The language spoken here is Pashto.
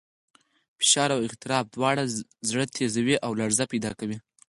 فشار او اضطراب دواړه زړه تېزوي او لړزه پیدا کوي.